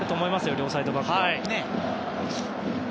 両サイドバック。